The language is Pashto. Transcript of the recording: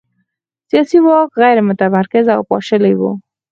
سیاسي واک غیر متمرکز او پاشلی و.